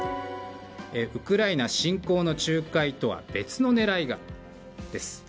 ウクライナ侵攻の仲介とは別の狙いが？です。